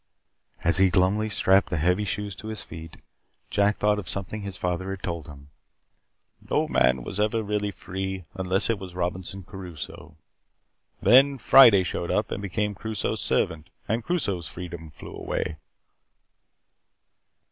As he glumly strapped the heavy shoes to his feet, Jack thought of something his father had told him: "No man was ever really free, unless it was Robinson Crusoe. Then Friday showed up and became Crusoe's servant, and Crusoe's freedom flew away."